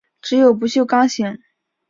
只有不锈钢型。